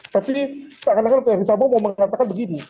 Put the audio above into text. tapi tak kadang kadang tni sabo mau mengatakan begini